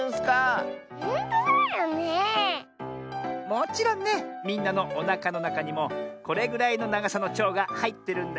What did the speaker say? もちろんねみんなのおなかのなかにもこれぐらいのながさのちょうがはいってるんだよ。